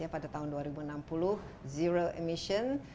pada tahun dua ribu enam puluh zero emission